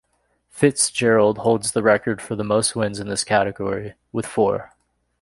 Fitzgerald holds the record for the most wins in this category, with four.